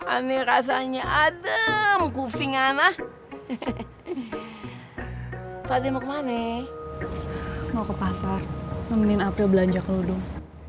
aneh rasanya adem kufing anak hehehe pada mau kemana mau ke pasar mengin april belanja kerundung